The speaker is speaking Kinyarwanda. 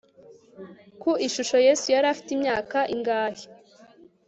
Ku ishusho Yesu yari afite imyaka ingahe